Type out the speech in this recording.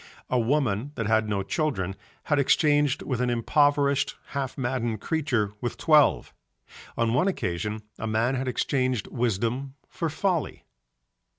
A woman that had no children had exchanged with an impoverished half maddened creature with twelve. On one occasion a man had exchanged wisdom for folly.